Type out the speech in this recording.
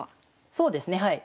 そうですねはい。